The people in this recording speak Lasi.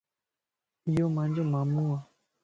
ايو مانجو مامون وَ